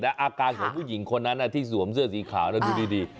อาการของผู้หญิงคนนั้นที่สวมเสื้อสีขาวดูดี